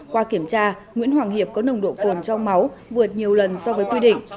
qua kiểm tra nguyễn hoàng hiệp có nồng độ cồn trong máu vượt nhiều lần so với quy định